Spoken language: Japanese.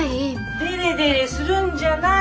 デレデレするんじゃない！